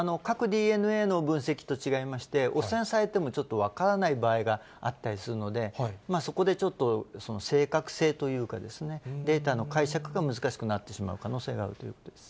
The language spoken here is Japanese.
核ＤＮＡの分析と違いまして、汚染されてもちょっと分からない場合があったりするので、そこでちょっと、正確性というかですね、データの解釈が難しくなってしまう可能性があるということです。